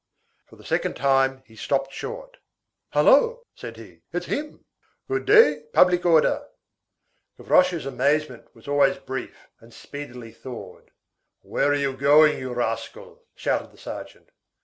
For the second time, he stopped short. "Hullo," said he, "it's him. Good day, public order." Gavroche's amazement was always brief and speedily thawed. "Where are you going, you rascal?" shouted the sergeant.